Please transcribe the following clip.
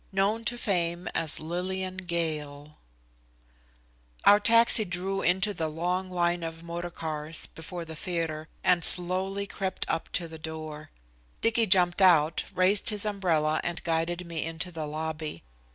III KNOWN TO FAME AS LILLIAN GALE Our taxi drew into the long line of motor cars before the theatre and slowly crept up to the door. Dicky jumped out, raised his umbrella and guided me into the lobby.